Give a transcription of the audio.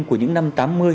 của những năm tám mươi